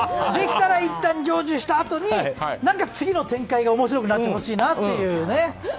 できたらいったん成就したあとに次の展開が面白くなってほしいなというね。